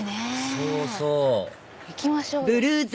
そうそう行きましょうよ。